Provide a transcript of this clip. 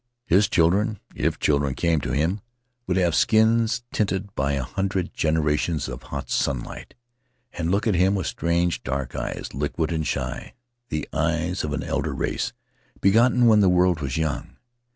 His children — if children came to him — would have skins tinted by a hundred generations of hot sunlight, and look at him with strange, dark eyes, liquid and shy — the eyes of an elder race, begotten when the world was young.